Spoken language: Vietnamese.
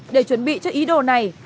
để chuẩn bị cho ý đồ này